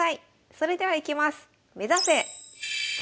それではいきます。